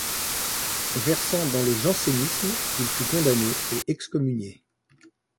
Versant dans le jansénisme il fut condamné et excommunié.